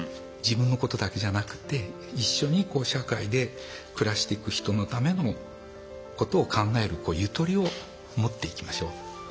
自分のことだけじゃなくて一緒に社会で暮らしていく人のためのことを考えるゆとりを持っていきましょう。